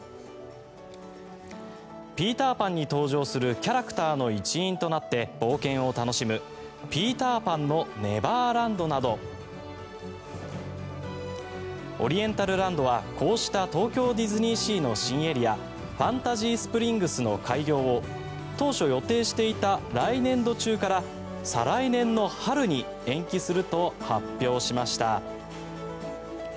「ピーターパン」に登場するキャラクターの一員となって冒険を楽しむピーターパンのネバーランドなどオリエンタルランドはこうした東京ディズニーシーの新エリアファンタジースプリングスの開業を当初予定していた来年度中から再来年の春に延期すると発表しました。